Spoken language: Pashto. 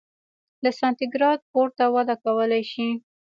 له سانتي ګراد پورته وده کولای شي.